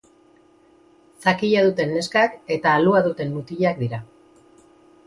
Zakila duten neskak eta alua duten mutilak dira.